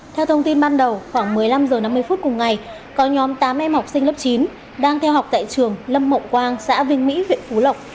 theo thông tin ban đầu khoảng một mươi năm h năm mươi phút cùng ngày có nhóm tám em học sinh lớp chín đang theo học tại trường lâm mậu quang xã vinh mỹ huyện phú lộc